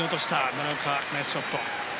奈良岡ナイスショット。